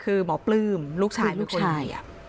คือหมอปลื้มลูกชายลูกชาย